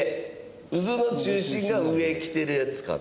渦の中心が上にきてるやつかな？